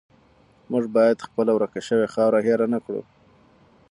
موږ باید خپله ورکه شوې خاوره هیره نه کړو.